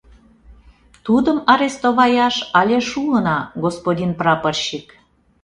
Тудым арестоваяш але шуына, господин прапорщик!